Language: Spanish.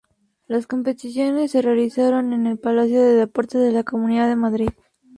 Las competiciones se realizaron en el Palacio de Deportes de la Comunidad de Madrid.